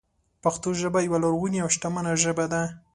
پښتو ژبه یوه لرغونې او شتمنه ژبه ده.